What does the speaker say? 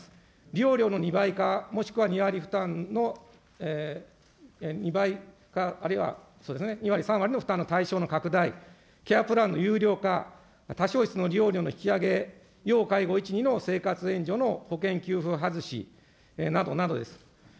利用料の２倍か、もしくは２割負担の２倍か、あるいはそうですね、２割３割の対象の拡大、ケアプランの有料化、多床室の利用料の引き上げ、要介護１、２の生活援助の保険給付外し、などなどです。